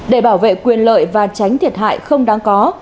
để bảo vệ quyền lợi và tránh thiệt hại không đáng có